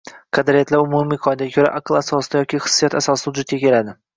Qadriyatlar, umumiy qoidaga ko’ra, aql asosida yoki hissiyot asosida vujudga keladi